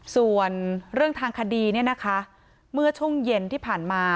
ส่วนเรื่องทางคดีเนี่ยนะคะเมื่อช่วงเย็นที่ผ่านมา